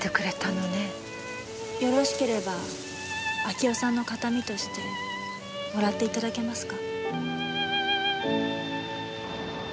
よろしければ明夫さんの形見としてもらって頂けますか？